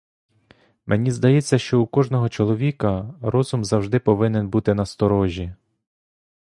Мені здається, що у кожного чоловіка розум завжди повинен бути насторожі.